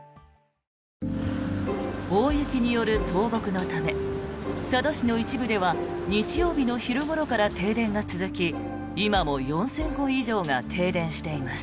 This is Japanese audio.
大雪による倒木のため佐渡市の一部では日曜日の昼ごろから停電が続き今も４０００戸以上が停電しています。